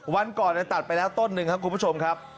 วันก่อนตัดไปแล้วต้นหนึ่งครับคุณผู้ชมครับ